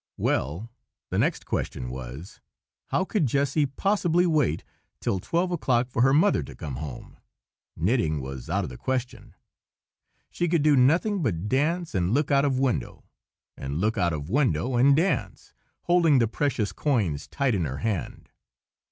Well, the next question was, How could Jessy possibly wait till twelve o'clock for her mother to come home? Knitting was out of the question. She could do nothing but dance and look out of window, and look out of window and dance, holding the precious coins tight in her hand.